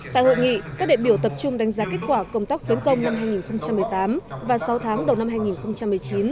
tại hội nghị các đệ biểu tập trung đánh giá kết quả công tác khuyến công năm hai nghìn một mươi tám và sáu tháng đầu năm hai nghìn một mươi chín